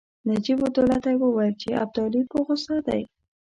نجیب الدوله ته وویل چې ابدالي په غوسه دی.